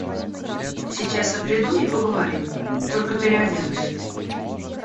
Сейчас я приду и поговорим, только переоденусь.